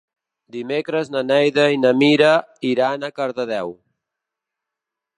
Dimecres na Neida i na Mira iran a Cardedeu.